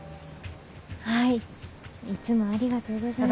はいいつもありがとうございます。